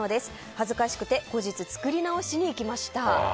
恥ずかしくて後日、作り直しに行きました。